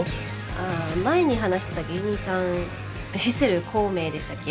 ああ前に話してた芸人さんシセル光明でしたっけ？